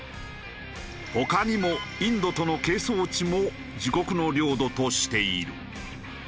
他にもインドとの係争地も自国の領土としている。